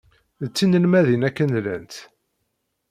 D tinelmadin akken llant.